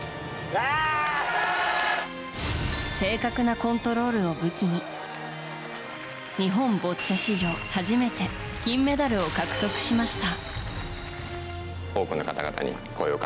正確なコントロールを武器に日本ボッチャ史上初めて金メダルを獲得しました。